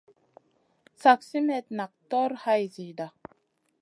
Slak simètna nak tog hay zida.